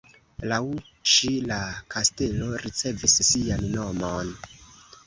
Laŭ ŝi la kastelo ricevis sian nomon.